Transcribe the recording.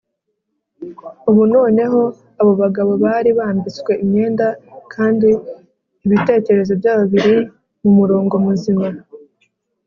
ubu noneho abo bagabo bari bambitswe imyenda kandi ibitekerezo byabo biri mu murongo muzima,